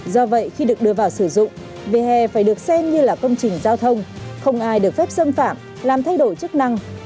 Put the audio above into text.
do vậy khi được đưa vào sử dụng vỉa hè phải được xem như là công trình giao thông không ai được phép xâm phạm làm thay đổi chức năng